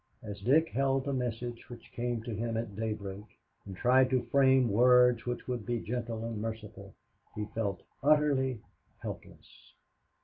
As Dick held the message which came to him at daybreak and tried to frame words which would be gentle and merciful, he felt utterly helpless.